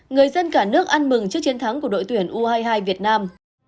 người dân cả nước ăn mừng trước chiến thắng của đội tuyển u hai mươi hai việt nam